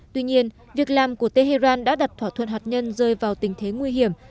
tuy nhiên việc làm của tehran đã đặt thỏa thuận hạt nhân rơi vào tình thế nguy hiểm